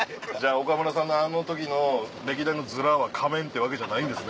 岡村さんのあの時の歴代のヅラは仮面ってわけじゃないんですね。